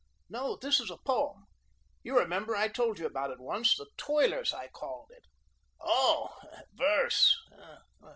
"No, this is a poem. You remember, I told you about it once. 'The Toilers,' I called it." "Oh, verse!